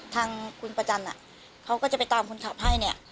ทางคุณประจันทร์เขาก็จะไปตามคนขับให้เนี่ย